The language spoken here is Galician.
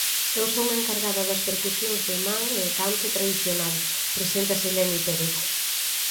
Eu son a encargada das percusións de man e canto tradicional, preséntase Leni Pérez.